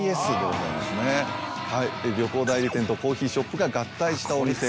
旅行代理店とコーヒーショップが合体したお店。